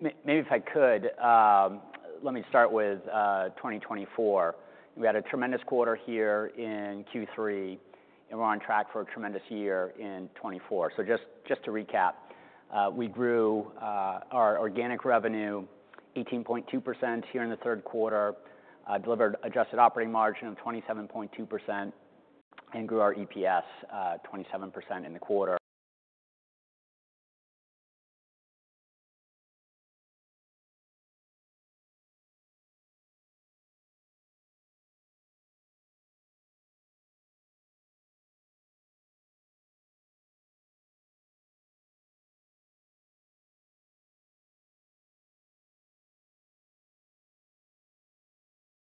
Maybe if I could, let me start with 2024. We had a tremendous quarter here in Q3, and we're on track for a tremendous year in 2024. So just to recap, we grew our organic revenue 18.2% here in the third quarter, delivered adjusted operating margin of 27.2%, and grew our EPS 27% in the quarter.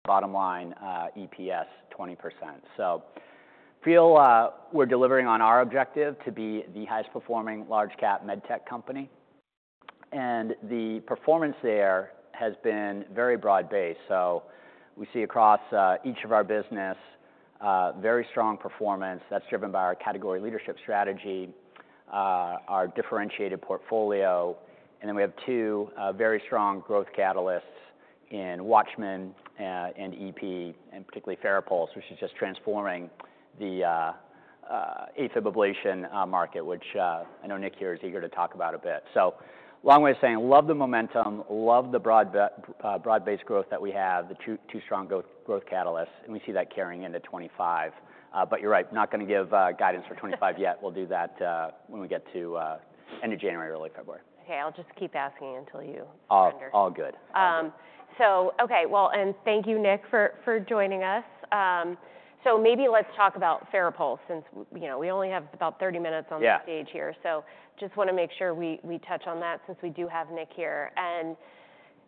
Bottom line, EPS 20%. So, we feel we're delivering on our objective to be the highest-performing large-cap medtech company. The performance there has been very broad-based. So we see across each of our business very strong performance that's driven by our category leadership strategy, our differentiated portfolio. Then we have two very strong growth catalysts in WATCHMAN and EP, and particularly FARAPULSE, which is just transforming the AFib ablation market, which I know Nick here is eager to talk about a bit. So long way of saying, love the momentum, love the broad-based growth that we have, the two strong growth catalysts. And we see that carrying into 2025. But you're right, not gonna give guidance for 2025 yet. We'll do that when we get to end of January, early February. Okay. I'll just keep asking until you find your. All good. Okay. Well, thank you, Nick, for joining us. Maybe let's talk about FARAPULSE, since you know, we only have about 30 minutes on the. Yeah. Stage here. So just wanna make sure we touch on that, since we do have Nick here. And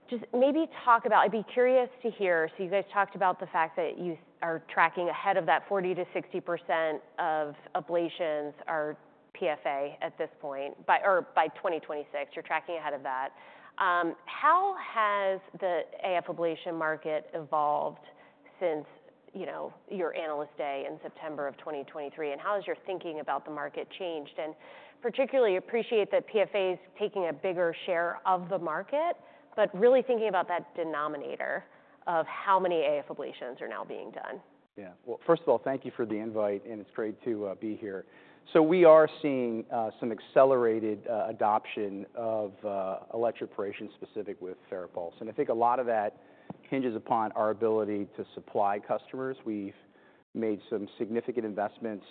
just maybe talk about. I'd be curious to hear so you guys talked about the fact that you are tracking ahead of that 40%-60% of ablations are PFA at this point, by 2026. You're tracking ahead of that. How has the AF ablation market evolved since, you know, your Analyst Day in September of 2023? And how has your thinking about the market changed? And particularly appreciate that PFA's taking a bigger share of the market, but really thinking about that denominator of how many AF ablations are now being done. Yeah. Well, first of all, thank you for the invite, and it's great to be here. We are seeing some accelerated adoption of electrophysiology specific with FARAPULSE. And I think a lot of that hinges upon our ability to supply customers. We've made some significant investments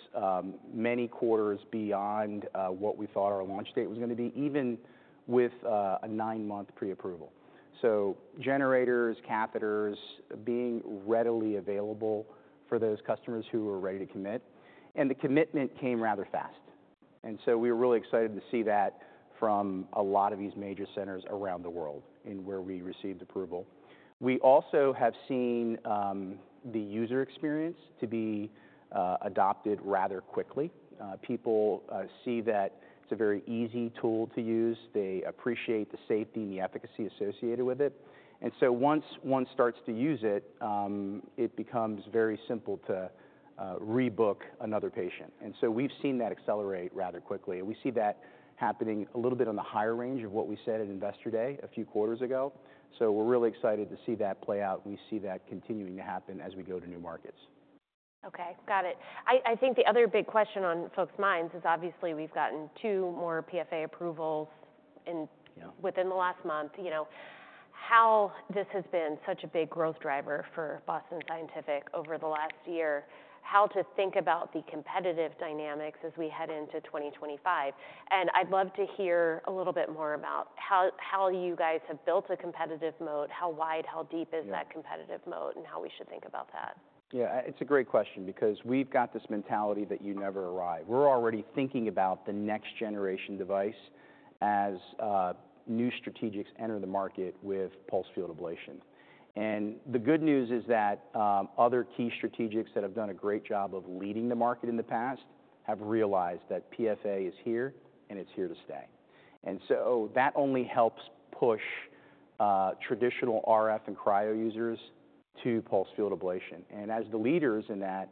many quarters beyond what we thought our launch date was gonna be, even with a nine-month pre-approval. So generators, catheters being readily available for those customers who are ready to commit. And the commitment came rather fast. And so we were really excited to see that from a lot of these major centers around the world in where we received approval. We also have seen the user experience to be adopted rather quickly. People see that it's a very easy tool to use. They appreciate the safety and the efficacy associated with it. And so once one starts to use it, it becomes very simple to rebook another patient. And so we've seen that accelerate rather quickly. And we see that happening a little bit on the higher range of what we said at Investor Day a few quarters ago. So we're really excited to see that play out. We see that continuing to happen as we go to new markets. Okay. Got it. I think the other big question on folks' minds is obviously we've gotten two more PFA approvals in. Yeah. Within the last month, you know, how this has been such a big growth driver for Boston Scientific over the last year, how to think about the competitive dynamics as we head into 2025. And I'd love to hear a little bit more about how you guys have built a competitive moat. How wide, how deep is that competitive moat, and how we should think about that? Yeah. It's a great question because we've got this mentality that you never arrive. We're already thinking about the next-generation device as new strategics enter the market with pulsed field ablation. And the good news is that other key strategics that have done a great job of leading the market in the past have realized that PFA is here, and it's here to stay. And so that only helps push traditional RF and cryo users to pulsed field ablation. And as the leaders in that,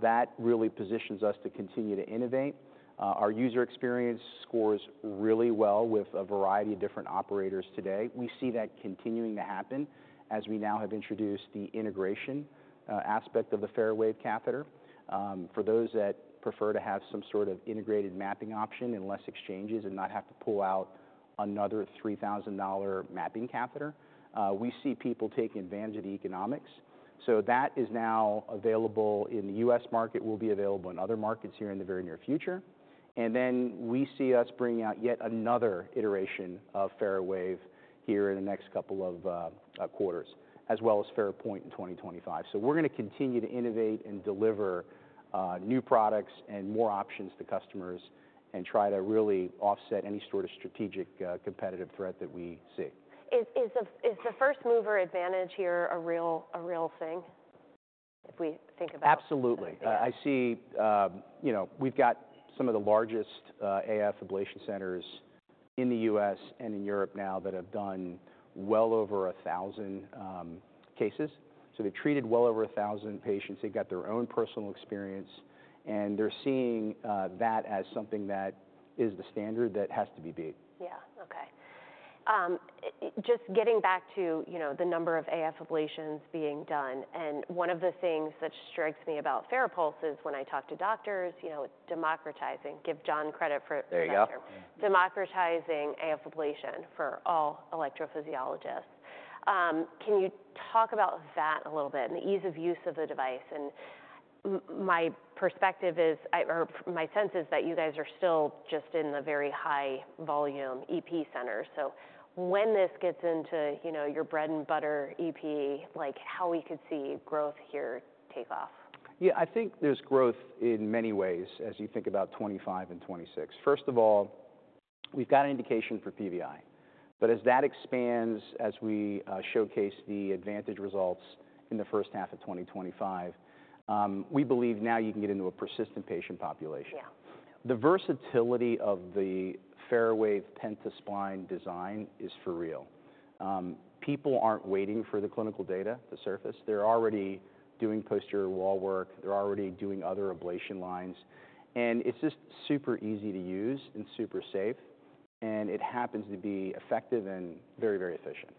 that really positions us to continue to innovate. Our user experience scores really well with a variety of different operators today. We see that continuing to happen as we now have introduced the integration aspect of the FARAWAVE catheter. For those that prefer to have some sort of integrated mapping option and less exchanges and not have to pull out another $3,000 mapping catheter, we see people taking advantage of the economics. So that is now available in the U.S. market, will be available in other markets here in the very near future. And then we see us bringing out yet another iteration of FARAWAVE here in the next couple of quarters, as well as FARAPOINT in 2025. So we're gonna continue to innovate and deliver new products and more options to customers and try to really offset any sort of strategic, competitive threat that we see. Is the first-mover advantage here a real thing if we think about it? Absolutely. Yeah. I see, you know, we've got some of the largest, AF ablation centers in the U.S. and in Europe now that have done well over 1,000 cases. So they've treated well over 1,000 patients. They've got their own personal experience. And they're seeing that as something that is the standard that has to be beat. Yeah. Okay. I just getting back to, you know, the number of AF ablations being done, and one of the things that strikes me about FARAPULSE is when I talk to doctors, you know, it's democratizing, give Jon credit for. There you go. Doctor. Yeah. Democratizing AF ablation for all electrophysiologists. Can you talk about that a little bit and the ease of use of the device? And my perspective is, or my sense is that you guys are still just in the very high-volume EP centers. So when this gets into, you know, your bread-and-butter EP, like, how we could see growth here take off? Yeah. I think there's growth in many ways as you think about 2025 and 2026. First of all, we've got an indication for PVI. But as that expands, as we showcase the ADVANTAGE results in the first half of 2025, we believe now you can get into a persistent patient population. Yeah. The versatility of the FARAWAVE pentaspline design is for real. People aren't waiting for the clinical data to surface. They're already doing posterior wall work. They're already doing other ablation lines. And it's just super easy to use and super safe. And it happens to be effective and very, very efficient.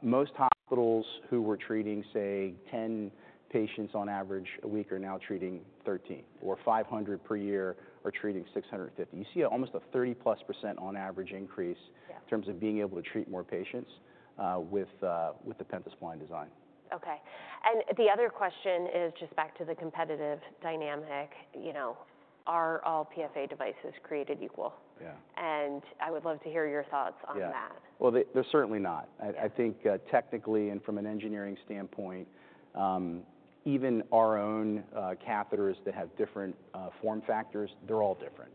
Most hospitals who were treating, say, 10 patients on average a week are now treating 13, or 500 per year are treating 650. You see almost a 30%+ on average increase. Yeah. In terms of being able to treat more patients with the pentaspline design. Okay. And the other question is just back to the competitive dynamic. You know, are all PFA devices created equal? Yeah. I would love to hear your thoughts on that. Yeah. They're certainly not. I think, technically and from an engineering standpoint, even our own catheters that have different form factors, they're all different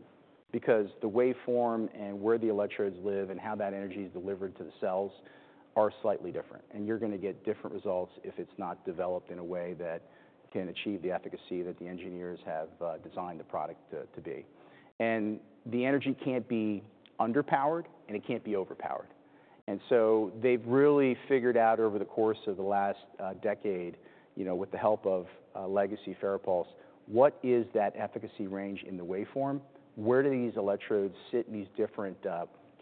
because the waveform and where the electrodes live and how that energy's delivered to the cells are slightly different. And you're gonna get different results if it's not developed in a way that can achieve the efficacy that the engineers have designed the product to be. And the energy can't be underpowered, and it can't be overpowered. And so they've really figured out over the course of the last decade, you know, with the help of legacy FARAPULSE, what is that efficacy range in the waveform, where do these electrodes sit in these different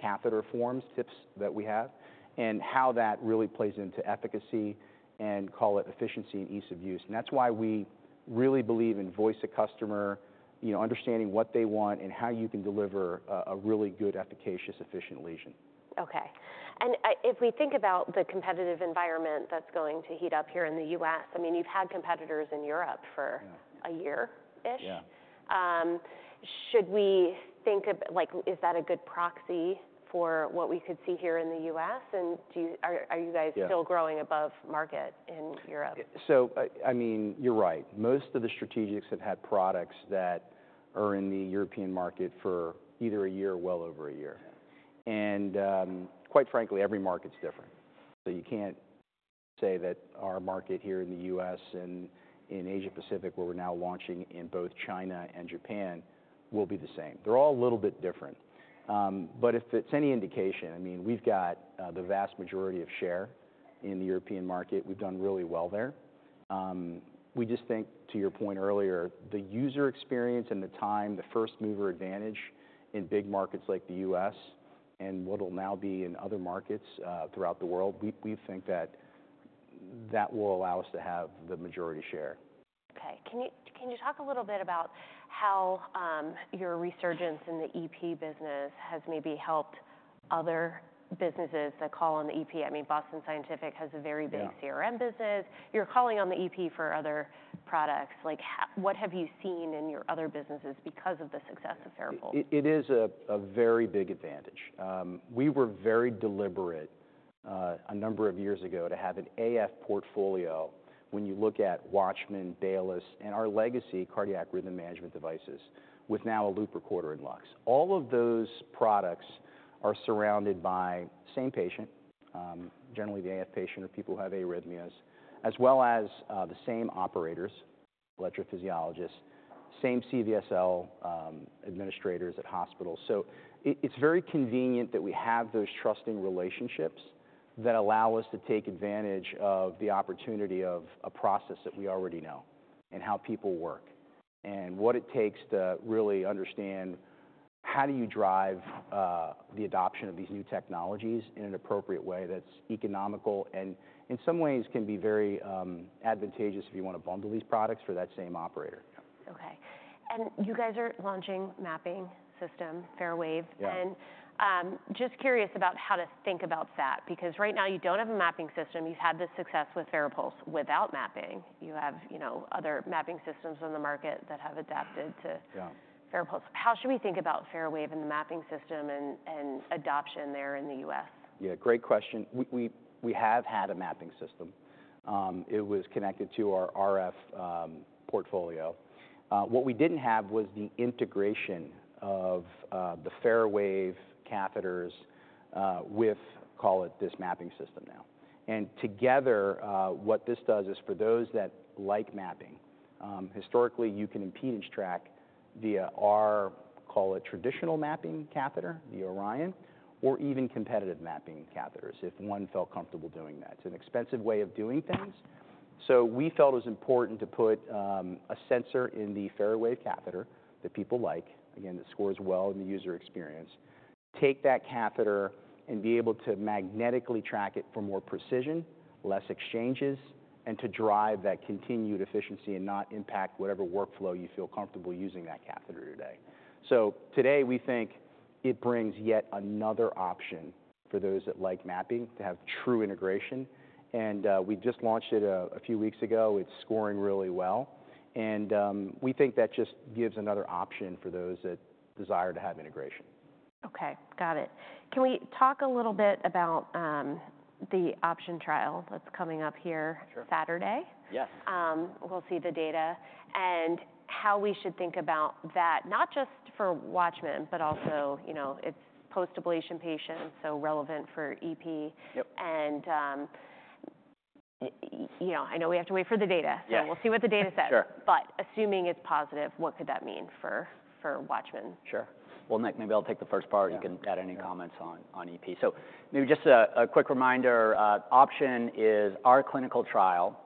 catheter forms, tips that we have, and how that really plays into efficacy and call it efficiency and ease of use. And that's why we really believe in voice of customer, you know, understanding what they want and how you can deliver a really good, efficacious, efficient lesion. Okay. And if we think about the competitive environment that's going to heat up here in the U.S., I mean, you've had competitors in Europe for. Yeah. A year-ish. Yeah. Should we think about like, is that a good proxy for what we could see here in the U.S.? And are you guys still growing above market in Europe? Yeah. So I mean, you're right. Most of the strategics have had products that are in the European market for either a year or well over a year. Yeah. Quite frankly, every market's different. So you can't say that our market here in the U.S. and in Asia-Pacific, where we're now launching in both China and Japan, will be the same. They're all a little bit different. But if it's any indication, I mean, we've got the vast majority of share in the European market. We've done really well there. We just think, to your point earlier, the user experience and the time, the first-mover advantage in big markets like the U.S. and what'll now be in other markets throughout the world, we think that will allow us to have the majority share. Okay. Can you talk a little bit about how, your resurgence in the EP business has maybe helped other businesses that call on the EP? I mean, Boston Scientific has a very big CRM business. Yeah. You're calling on the EP for other products. Like, what have you seen in your other businesses because of the success of FARAPULSE? It is a very big advantage. We were very deliberate a number of years ago to have an AF portfolio when you look at WATCHMAN, Baylis, and our legacy cardiac rhythm management devices with now a loop recorder in LUX. All of those products are surrounded by same patient, generally the AF patient or people who have arrhythmias, as well as the same operators, electrophysiologists, same CVSL, administrators at hospitals. So it's very convenient that we have those trusting relationships that allow us to take advantage of the opportunity of a process that we already know and how people work and what it takes to really understand how do you drive the adoption of these new technologies in an appropriate way that's economical and in some ways can be very advantageous if you wanna bundle these products for that same operator. Okay, and you guys are launching mapping system, FARAWAVE. Yeah. Just curious about how to think about that because right now you don't have a mapping system. You've had this success with FARAPULSE without mapping. You have, you know, other mapping systems on the market that have adapted to. Yeah. FARAPULSE. How should we think about FARAWAVE and the mapping system and adoption there in the U.S.? Yeah. Great question. We have had a mapping system. It was connected to our RF portfolio. What we didn't have was the integration of the FARAWAVE catheters with, call it, this mapping system now. And together, what this does is for those that like mapping, historically, you can impedance track via our, call it, traditional mapping catheter, the ORION, or even competitive mapping catheters if one felt comfortable doing that. It's an expensive way of doing things. So we felt it was important to put a sensor in the FARAWAVE catheter that people like, again, that scores well in the user experience, to take that catheter and be able to magnetically track it for more precision, less exchanges, and to drive that continued efficiency and not impact whatever workflow you feel comfortable using that catheter today. So today, we think it brings yet another option for those that like mapping to have true integration. And we just launched it a few weeks ago. It's scoring really well. And we think that just gives another option for those that desire to have integration. Okay. Got it. Can we talk a little bit about the OPTION trial that's coming up here. Sure. Saturday? Yes. We'll see the data and how we should think about that, not just for WATCHMAN, but also, you know, it's post-ablation patients, so relevant for EP. Yep. You know, I know we have to wait for the data. Yeah. We'll see what the data says. Sure. But assuming it's positive, what could that mean for WATCHMAN? Sure. Well, Nick, maybe I'll take the first part. Yeah. You can add any comments on EP. So maybe just a quick reminder. OPTION is our clinical trial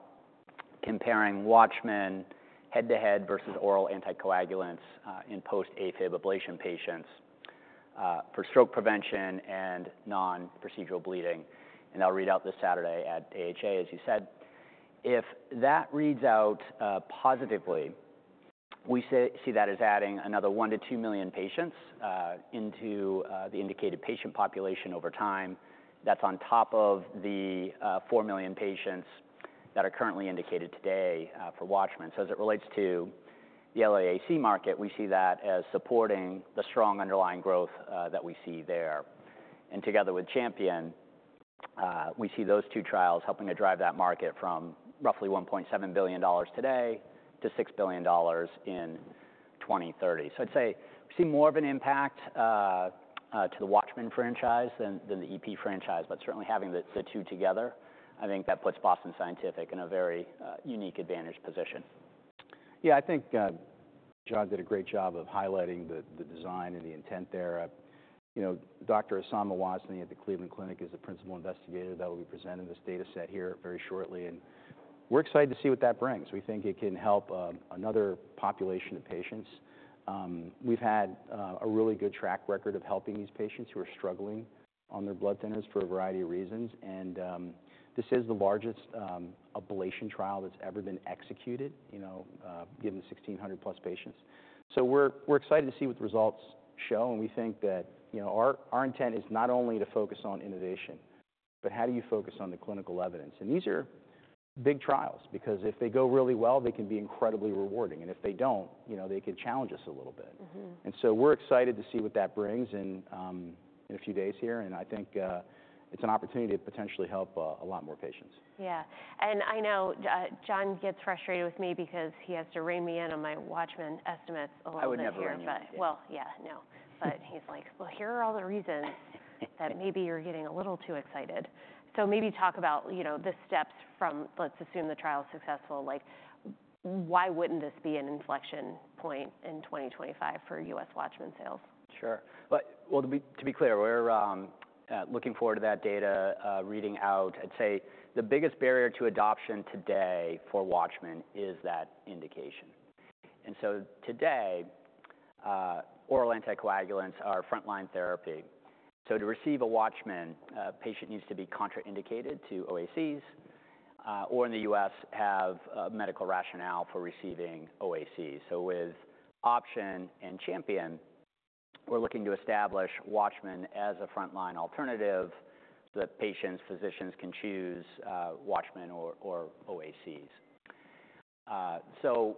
comparing WATCHMAN head-to-head versus oral anticoagulants in post-AFib ablation patients for stroke prevention and non-procedural bleeding. And I'll read out this Saturday at AHA, as you said. If that reads out positively, we see that as adding another one to two million patients into the indicated patient population over time. That's on top of the four million patients that are currently indicated today for WATCHMAN. So as it relates to the LAAC market, we see that as supporting the strong underlying growth that we see there. And together with CHAMPION, we see those two trials helping to drive that market from roughly $1.7 billion today to $6 billion in 2030. So I'd say we see more of an impact to the WATCHMAN franchise than the EP franchise. But certainly, having the two together, I think that puts Boston Scientific in a very unique advantage position. Yeah. I think Jon did a great job of highlighting the design and the intent there. You know, Dr. Oussama Wazni at the Cleveland Clinic is the principal investigator that will be presenting this data set here very shortly. And we're excited to see what that brings. We think it can help another population of patients. We've had a really good track record of helping these patients who are struggling on their blood thinners for a variety of reasons. And this is the largest ablation trial that's ever been executed, you know, given 1,600+ patients. So we're excited to see what the results show. And we think that, you know, our intent is not only to focus on innovation, but how do you focus on the clinical evidence? These are big trials because if they go really well, they can be incredibly rewarding. If they don't, you know, they can challenge us a little bit. Mm-hmm. We're excited to see what that brings in in a few days here. I think it's an opportunity to potentially help a lot more patients. Yeah. And I know, Jon gets frustrated with me because he has to rein me in on my WATCHMAN estimates a little bit here. I would never rein you in. But, well, yeah, no. But he's like, "Well, here are all the reasons that maybe you're getting a little too excited." So maybe talk about, you know, the steps from let's assume the trial's successful. Like, why wouldn't this be an inflection point in 2025 for U.S. WATCHMAN sales? Sure. But well, to be clear, we're looking forward to that data reading out. I'd say the biggest barrier to adoption today for WATCHMAN is that indication, and so today, oral anticoagulants are frontline therapy, so to receive a WATCHMAN, patient needs to be contraindicated to OACs, or in the U.S., have medical rationale for receiving OACs. So with OPTION and CHAMPION, we're looking to establish WATCHMAN as a frontline alternative so that patients, physicians can choose WATCHMAN or OACs, so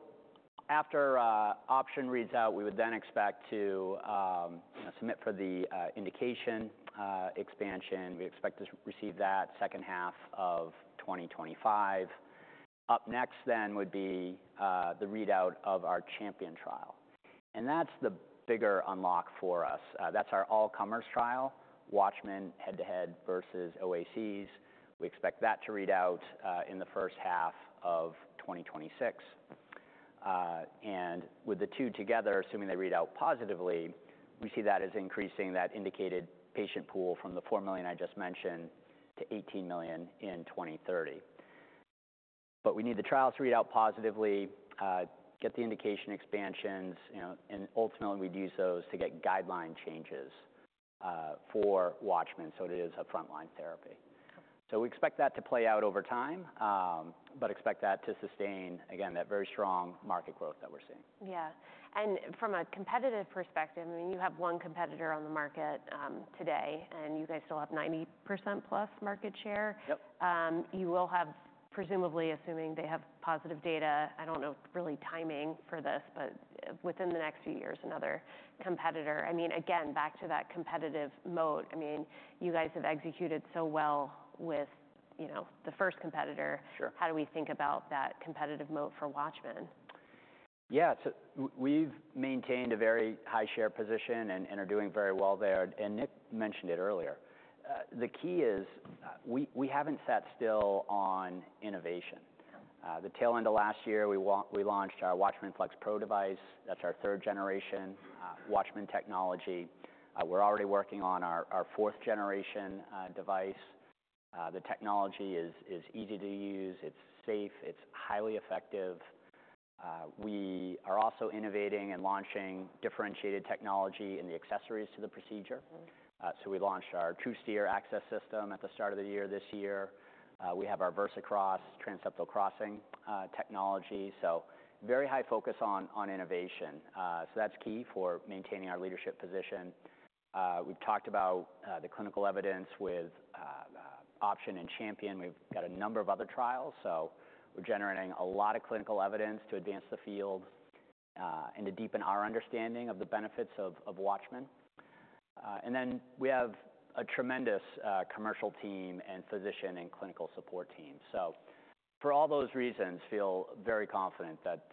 after OPTION reads out, we would then expect to, you know, submit for the indication expansion. We expect to receive that second half of 2025. Up next then would be the readout of our CHAMPION trial, and that's the bigger unlock for us. That's our all-comers trial, WATCHMAN head-to-head versus OACs. We expect that to read out in the first half of 2026. And with the two together, assuming they read out positively, we see that as increasing that indicated patient pool from the four million I just mentioned to 18 million in 2030. But we need the trials to read out positively, get the indication expansions, you know, and ultimately, we'd use those to get guideline changes for WATCHMAN so it is a frontline therapy. Okay. So we expect that to play out over time, but expect that to sustain, again, that very strong market growth that we're seeing. Yeah, and from a competitive perspective, I mean, you have one competitor on the market, today, and you guys still have 90%+ market share. Yep. You will have, presumably, assuming they have positive data. I don't know really timing for this, but within the next few years, another competitor. I mean, again, back to that competitive moat. I mean, you guys have executed so well with, you know, the first competitor. Sure. How do we think about that competitive moat for WATCHMAN? Yeah. So we've maintained a very high share position and are doing very well there. And Nick mentioned it earlier. The key is, we haven't sat still on innovation. Okay. The tail end of last year, we launched our WATCHMAN FLX Pro device. That's our third-generation WATCHMAN technology. We're already working on our fourth-generation device. The technology is easy to use. It's safe. It's highly effective. We are also innovating and launching differentiated technology in the accessories to the procedure. Mm-hmm. So we launched our two-tier access system at the start of the year this year. We have our VersaCross transseptal crossing technology. So very high focus on innovation. So that's key for maintaining our leadership position. We've talked about the clinical evidence with OPTION and CHAMPION. We've got a number of other trials. So we're generating a lot of clinical evidence to advance the field, and to deepen our understanding of the benefits of WATCHMAN. And then we have a tremendous commercial team and physician and clinical support team. So for all those reasons, feel very confident that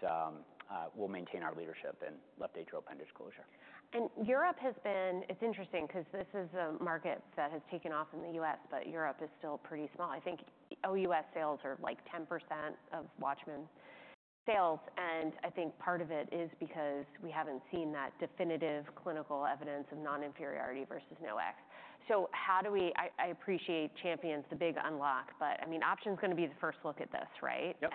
we'll maintain our leadership in left atrial appendage closure. And Europe has been. It's interesting 'cause this is a market that has taken off in the U.S., but Europe is still pretty small. I think OUS sales are like 10% of WATCHMAN sales. And I think part of it is because we haven't seen that definitive clinical evidence of non-inferiority versus NOACs. So how do we? I appreciate CHAMPION is the big unlock, but I mean, OPTION's gonna be the first look at this, right? Yep.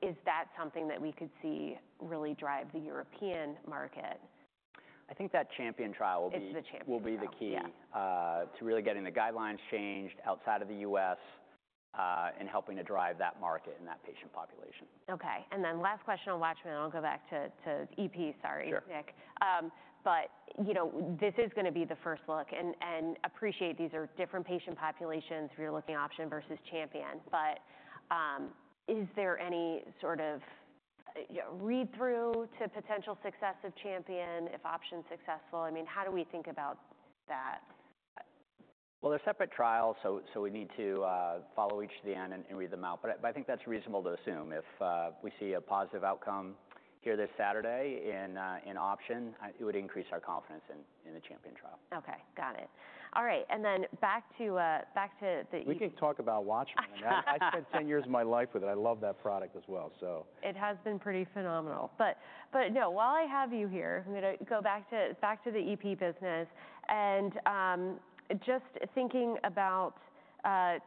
Is that something that we could see really drive the European market? I think that CHAMPION trial will be. It's the CHAMPION trial. Will be the key. Yeah. To really getting the guidelines changed outside of the U.S., and helping to drive that market and that patient population. Okay. And then last question on WATCHMAN. I'll go back to EP. Sorry. Sure. Nick, but you know, this is gonna be the first look, and appreciate these are different patient populations. We're looking OPTION versus CHAMPION, but is there any sort of, you know, read-through to potential success of CHAMPION if OPTION successful? I mean, how do we think about that? They're separate trials. So we need to follow each to the end and read them out. But I think that's reasonable to assume. If we see a positive outcome here this Saturday in OPTION, it would increase our confidence in the CHAMPION trial. Okay. Got it. All right. And then back to the EP. We can talk about WATCHMAN. Yeah. I spent 10 years of my life with it. I love that product as well, so. It has been pretty phenomenal, but no, while I have you here, I'm gonna go back to the EP business. Just thinking about so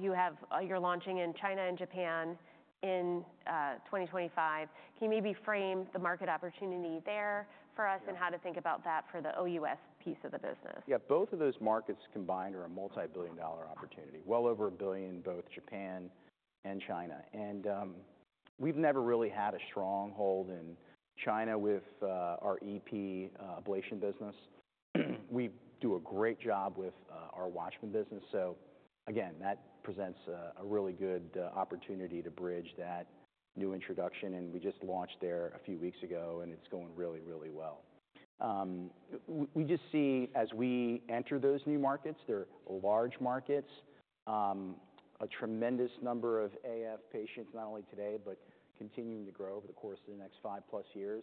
you have, you're launching in China and Japan in 2025. Can you maybe frame the market opportunity there for us and how to think about that for the OUS piece of the business? Yeah. Both of those markets combined are a multi-billion-dollar opportunity, well over a billion, both Japan and China. We've never really had a stronghold in China with our EP ablation business. We do a great job with our WATCHMAN business. So again, that presents a really good opportunity to bridge that new introduction. We just launched there a few weeks ago, and it's going really, really well. We just see as we enter those new markets, they're large markets, a tremendous number of AF patients, not only today but continuing to grow over the course of the next 5+ years.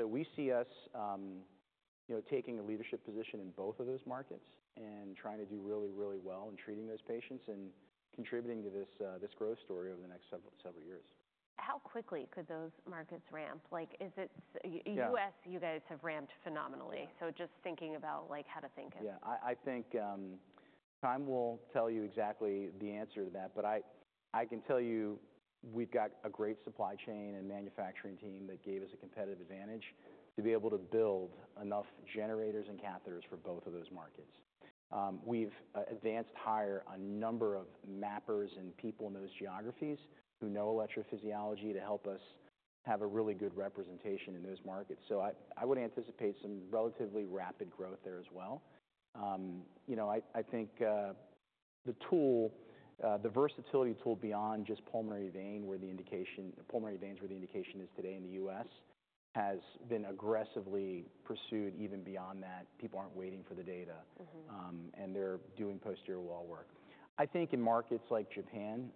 We see us, you know, taking a leadership position in both of those markets and trying to do really, really well in treating those patients and contributing to this growth story over the next several years. How quickly could those markets ramp? Like, is it U.S. Yeah. You guys have ramped phenomenally. So just thinking about, like, how to think of. Yeah. I think time will tell you exactly the answer to that. But I can tell you we've got a great supply chain and manufacturing team that gave us a competitive advantage to be able to build enough generators and catheters for both of those markets. We've also hired a number of mappers and people in those geographies who know electrophysiology to help us have a really good representation in those markets. So I would anticipate some relatively rapid growth there as well. You know, I think the tool, the versatility of the tool beyond just pulmonary vein where the indication is today in the U.S. has been aggressively pursued even beyond that. People aren't waiting for the data. Mm-hmm. And they're doing posterior wall work. I think in markets like Japan,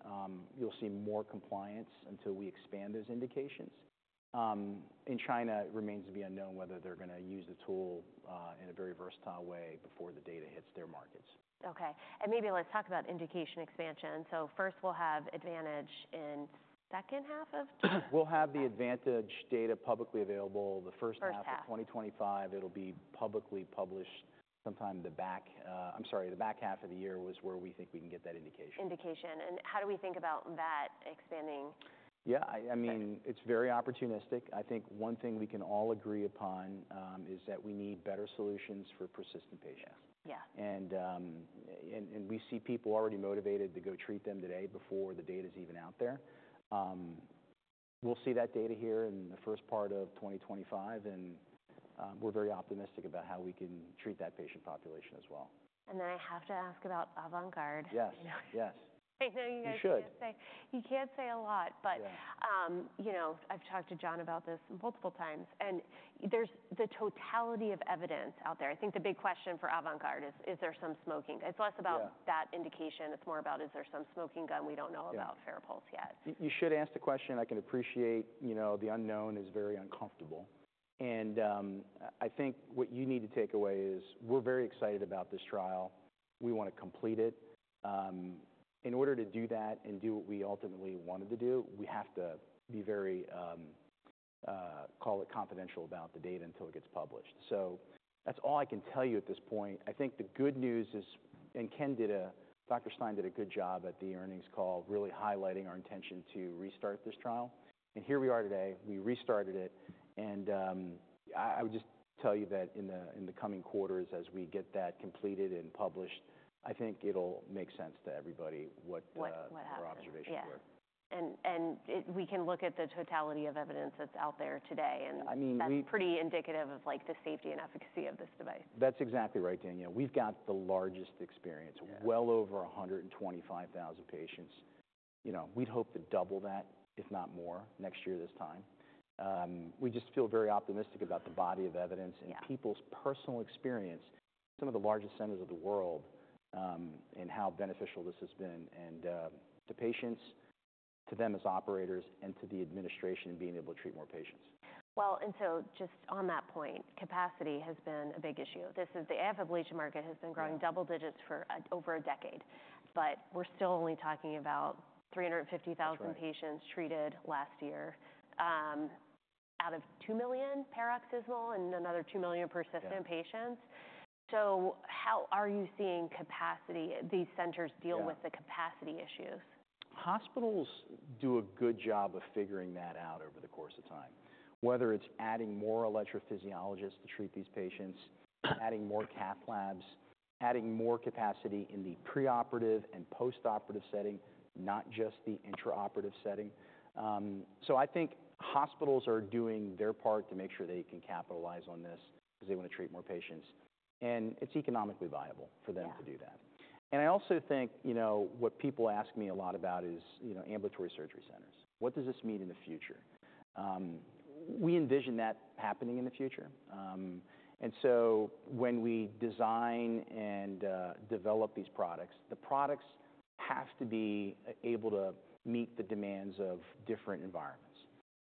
you'll see more compliance until we expand those indications. In China, it remains to be unknown whether they're gonna use the tool in a very versatile way before the data hits their markets. Okay, and maybe let's talk about indication expansion. So first, we'll have ADVANTAGE in second half of. We'll have the ADVANTAGE data publicly available the first half of 2025. First half. It'll be publicly published sometime in the back half of the year, where we think we can get that indication. Indication. How do we think about that expanding? Yeah. I mean, it's very opportunistic. I think one thing we can all agree upon is that we need better solutions for persistent patients. Yeah. We see people already motivated to go treat them today before the data's even out there. We'll see that data here in the first part of 2025. We're very optimistic about how we can treat that patient population as well. And then I have to ask about AVANT GUARD. Yes. Yes. I know you guys can't say. You should. You can't say a lot, but. Yeah. You know, I've talked to Jon about this multiple times, and there's the totality of evidence out there. I think the big question for AVANT GUARD is, is there some smoking? It's less about. Yeah. That indication. It's more about, is there some smoking gun we don't know about? Yeah. FARAPULSE yet? You should ask the question. I can appreciate, you know, the unknown is very uncomfortable, and I think what you need to take away is we're very excited about this trial. We wanna complete it. In order to do that and do what we ultimately wanted to do, we have to be very, call it confidential about the data until it gets published. So that's all I can tell you at this point, I think the good news is, and Ken, Dr. Stein, did a good job at the earnings call really highlighting our intention to restart this trial, and here we are today. We restarted it, and I would just tell you that in the coming quarters, as we get that completed and published, I think it'll make sense to everybody what. What happened there? Our observations were. Yeah. And if we can look at the totality of evidence that's out there today and. I mean, we. That's pretty indicative of, like, the safety and efficacy of this device. That's exactly right, Danielle. We've got the largest experience. Yeah. Well over 125,000 patients. You know, we'd hope to double that, if not more, next year this time. We just feel very optimistic about the body of evidence. Yeah. People's personal experience, some of the largest centers of the world, and how beneficial this has been. To patients, to them as operators, and to the administration being able to treat more patients. And so just on that point, capacity has been a big issue. This is the AF ablation market has been growing. Yeah. Double digits for over a decade. But we're still only talking about 350,000. That's right. Patients treated last year, out of 2 million paroxysmal and another 2 million persistent. Yeah. Patients. So how are you seeing capacity? These centers deal with the capacity issues. Hospitals do a good job of figuring that out over the course of time, whether it's adding more electrophysiologists to treat these patients, adding more cath labs, adding more capacity in the preoperative and postoperative setting, not just the intraoperative setting, so I think hospitals are doing their part to make sure they can capitalize on this 'cause they wanna treat more patients, and it's economically viable for them to do that. Yeah. And I also think, you know, what people ask me a lot about is, you know, ambulatory surgery centers. What does this mean in the future? We envision that happening in the future. And so when we design and develop these products, the products have to be able to meet the demands of different environments.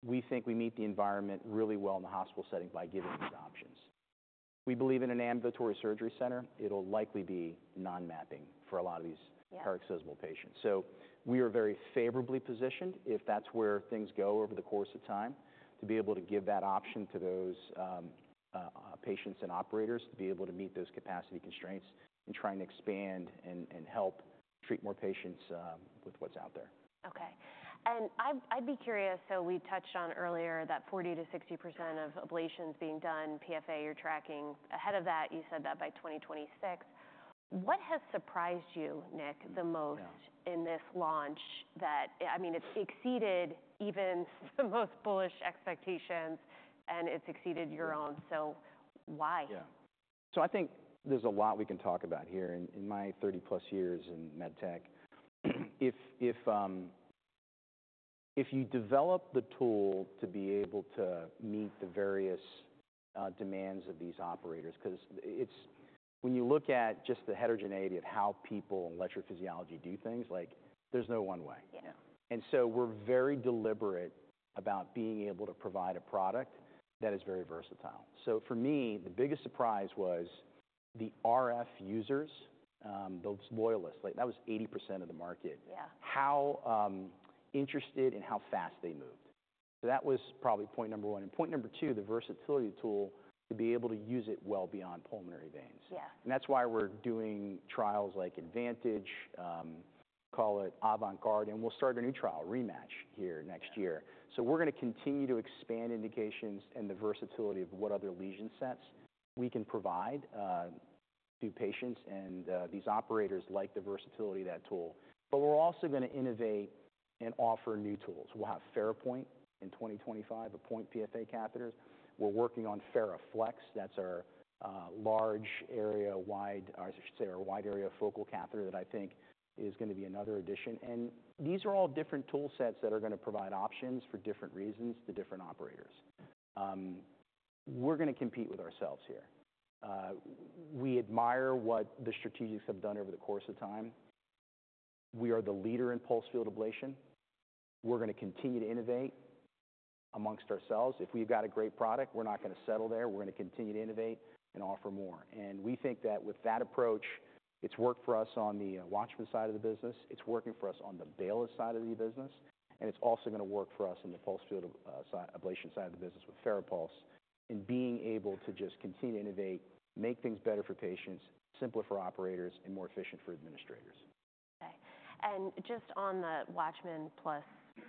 We think we meet the environment really well in the hospital setting by giving these options. We believe in an ambulatory surgery center, it'll likely be non-mapping for a lot of these. Yeah. Paroxysmal patients, so we are very favorably positioned, if that's where things go over the course of time, to be able to give that option to those patients and operators to be able to meet those capacity constraints and trying to expand and help treat more patients with what's out there. Okay. I'd be curious. So we touched on earlier that 40%-60% of ablations being done, PFA you're tracking. Ahead of that, you said that by 2026. What has surprised you, Nick, the most. Yeah. In this launch that, I mean, it's exceeded even the most bullish expectations, and it's exceeded your own. So why? Yeah. So I think there's a lot we can talk about here. In my 30+ years in med tech, if you develop the tool to be able to meet the various demands of these operators 'cause it's when you look at just the heterogeneity of how people in electrophysiology do things, like, there's no one way. Yeah. And so we're very deliberate about being able to provide a product that is very versatile. So for me, the biggest surprise was the RF users, those loyalists. Like, that was 80% of the market. Yeah. How interested and how fast they moved. So that was probably point number one. And point number two, the versatility tool to be able to use it well beyond pulmonary veins. Yeah. And that's why we're doing trials like ADVANTAGE, call it AVANT GUARD. And we'll start a new trial, ReMATCH, here next year. So we're gonna continue to expand indications and the versatility of what other lesion sets we can provide to patients and these operators like the versatility of that tool. But we're also gonna innovate and offer new tools. We'll have FARAPOINT in 2025, the point PFA catheters. We're working on FARAFLEX. That's our large area-wide or I should say our wide area focal catheter that I think is gonna be another addition. And these are all different tool sets that are gonna provide options for different reasons to different operators. We're gonna compete with ourselves here. We admire what the strategics have done over the course of time. We are the leader in pulsed field ablation. We're gonna continue to innovate amongst ourselves. If we've got a great product, we're not gonna settle there. We're gonna continue to innovate and offer more, and we think that with that approach, it's worked for us on the WATCHMAN side of the business. It's working for us on the Baylis side of the business, and it's also gonna work for us in the pulsed field ablation side of the business with FARAPULSE in being able to just continue to innovate, make things better for patients, simpler for operators, and more efficient for administrators. Okay. And just on the WATCHMAN plus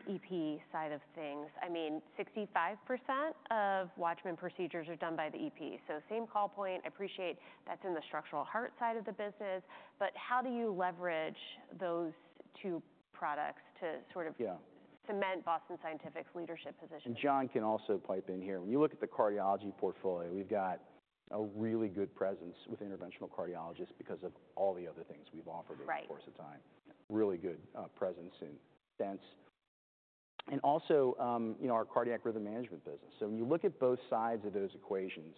EP side of things, I mean, 65% of WATCHMAN procedures are done by the EP. So same call point. I appreciate that's in the structural heart side of the business. But how do you leverage those two products to sort of. Yeah. Cement Boston Scientific's leadership position? Jon can also pipe in here. When you look at the cardiology portfolio, we've got a really good presence with interventional cardiologists because of all the other things we've offered over the course of time. Right. Really good presence and sense. And also, you know, our cardiac rhythm management business. So when you look at both sides of those equations,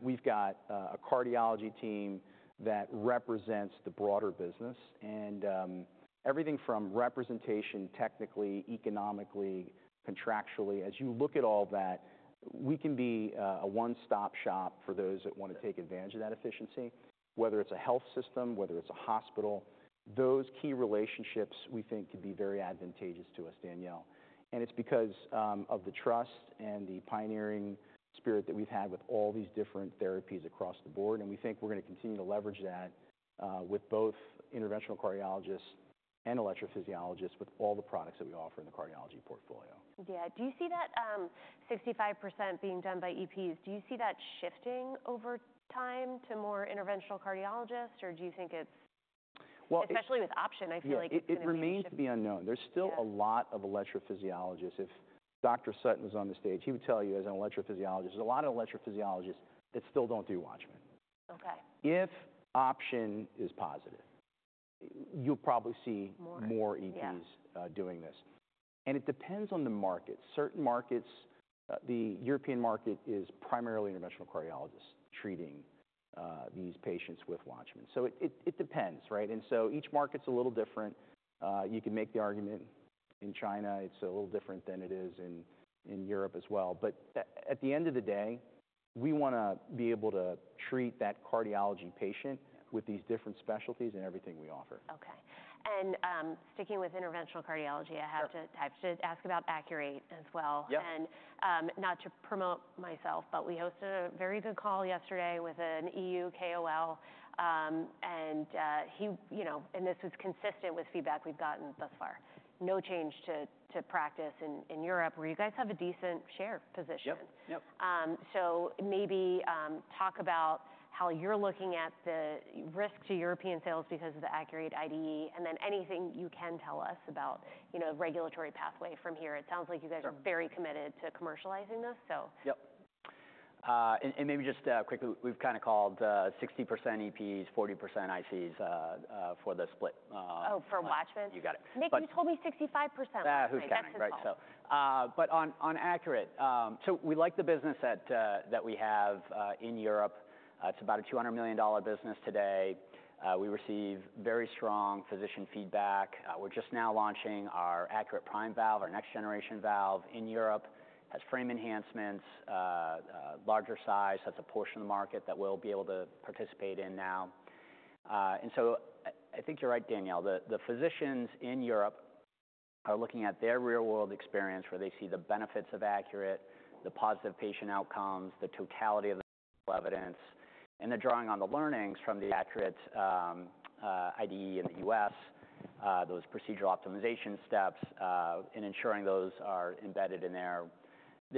we've got a cardiology team that represents the broader business. And everything from representation technically, economically, contractually, as you look at all that, we can be a one-stop shop for those that wanna take advantage of that efficiency, whether it's a health system, whether it's a hospital. Those key relationships we think could be very advantageous to us, Danielle. And it's because of the trust and the pioneering spirit that we've had with all these different therapies across the board. And we think we're gonna continue to leverage that with both interventional cardiologists and electrophysiologists with all the products that we offer in the cardiology portfolio. Yeah. Do you see that, 65% being done by EPs? Do you see that shifting over time to more interventional cardiologists, or do you think it's. Well, it. Especially with OPTION, I feel like it's gonna be. It remains to be unknown. There's still a lot of electrophysiologists. If Dr. Sutton was on the stage, he would tell you, as an electrophysiologist, there's a lot of electrophysiologists that still don't do WATCHMAN. Okay. If OPTION is positive, you'll probably see. More. More EPs. Yeah. Doing this. And it depends on the market. Certain markets, the European market is primarily interventional cardiologists treating these patients with WATCHMAN. So it depends, right? And so each market's a little different. You can make the argument in China it's a little different than it is in Europe as well. But at the end of the day, we wanna be able to treat that cardiology patient. Yeah. With these different specialties and everything we offer. Okay. And, sticking with interventional cardiology, I have to. Yeah. I have to ask about ACURATE as well. Yeah. Not to promote myself, but we hosted a very good call yesterday with an E.U. KOL. And he, you know, and this was consistent with feedback we've gotten thus far. No change to practice in Europe, where you guys have a decent share position. Yep. Yep. So maybe talk about how you're looking at the risk to European sales because of the ACURATE IDE and then anything you can tell us about, you know, the regulatory pathway from here. It sounds like you guys are very committed to commercializing this, so. Yep. And maybe just quickly, we've kinda called 60% EPs, 40% ICs for the split. Oh, for WATCHMAN? You got it. Nick, you told me 65%. Yeah. Who's counting it right? So, but on ACURATE, so we like the business that we have in Europe. It's about a $200 million business today. We receive very strong physician feedback. We're just now launching our ACURATE Prime valve, our next-generation valve in Europe. It has frame enhancements, larger size. That's a portion of the market that we'll be able to participate in now, and so I think you're right, Danielle. The physicians in Europe are looking at their real-world experience where they see the benefits of ACURATE, the positive patient outcomes, the totality of the evidence, and they're drawing on the learnings from the ACURATE IDE in the U.S., those procedural optimization steps, and ensuring those are embedded in their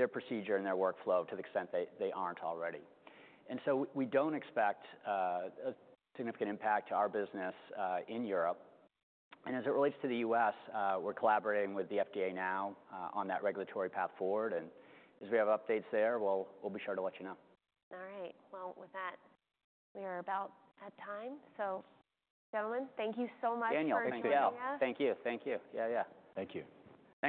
procedure and their workflow to the extent they aren't already. And so we don't expect a significant impact to our business in Europe. And as it relates to the U.S., we're collaborating with the FDA now on that regulatory path forward. And as we have updates there, we'll be sure to let you know. All right, well, with that, we are about at time, so, gentlemen, thank you so much for your. Danielle, thanks for the opportunity. Yeah. Thank you. Thank you. Yeah, yeah. Thank you.